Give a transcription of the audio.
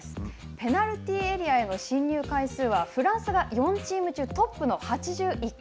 ペナルティーエリアへの進入回数は、フランスが４チーム中トップの８１回。